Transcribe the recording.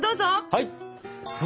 はい！